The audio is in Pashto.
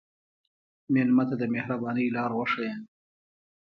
مېلمه ته د مهربانۍ لاره وښیه.